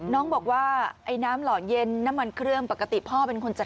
ต้องอย่าลืมนะพวกน้ำหล่อเย็นอะไรต้องเติมนะฮะ